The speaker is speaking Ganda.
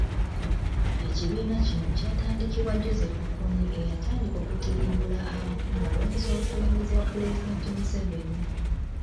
Ekibiina kino kyatandikibwa Joseph Kony eyatandika okutirimbula abantu ng'alwanyisa obukulembeze bwa Pulezidenti Museveni.